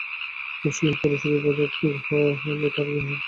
মুসলিম পুরুষের ইবাদাতগাহ হল তার গৃহ।